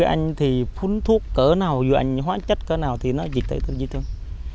anh thì phun thuốc cỡ nào dụ anh hóa chất cỡ nào thì nó dịch tệ tương di tương